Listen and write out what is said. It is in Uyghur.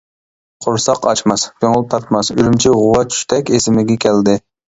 قورساق ئاچماس، كۆڭۈل تارتماس ئۈرۈمچى غۇۋا چۈشتەك ئېسىمگە كەلدى.